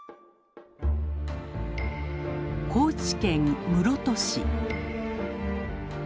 高知県室戸市。